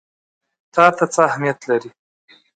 تا ته څه اهمیت لري؟